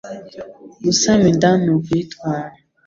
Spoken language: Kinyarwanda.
Gusama inda ni ukuyitwara